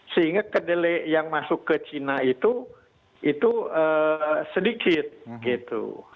sehingga kedelai yang masuk ke cina itu sedikit